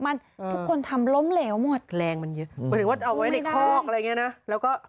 อุ๊ยคุณแม่เอาอีกแล้ว